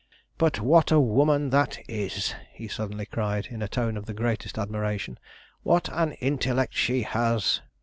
But what a woman that is!" he suddenly cried, in a tone of the greatest admiration. "What an intellect she has!